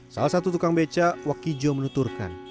salah satu tukang beca wakijo menuturkan